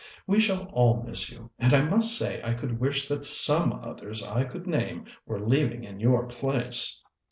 We shall all miss you, and I must say I could wish that some others I could name were leaving in your place."